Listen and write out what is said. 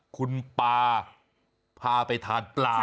คุณปลาพาไปทานปลา